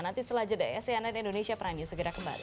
nanti setelah jeda ya cnn indonesia prime news segera kembali